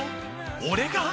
俺が！？